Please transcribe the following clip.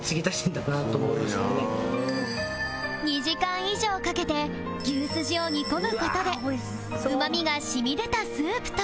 ２時間以上かけて牛すじを煮込む事でうま味が染み出たスープと